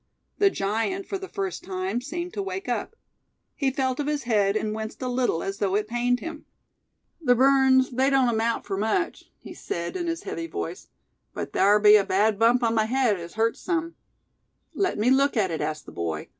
The giant for the first time, seemed to wake up. He felt of his head, and winced a little as though it pained him. "Ther burns they don't amount ter much," he said, in his heavy voice; "but thar be a bad bump on my head as hurts sum." "Let me look at it," asked the boy.